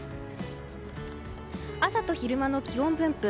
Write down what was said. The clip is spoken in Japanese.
朝と昼間の気温分布。